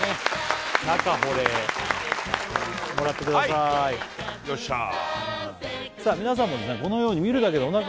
中保冷もらってくださいはいよっしゃさあ